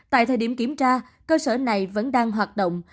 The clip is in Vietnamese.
tại thời điểm kiểm tra cơ sở này vẫn đang hoạt động